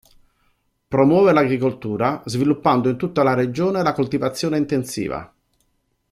Promuove l'agricoltura, sviluppando in tutta la regione la coltivazione intensiva.